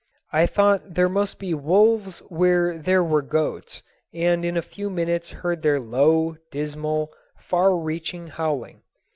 I thought there must be wolves where there were goats, and in a few minutes heard their low, dismal, far reaching howling.